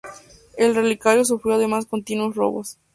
El relicario sufrió además continuos robos.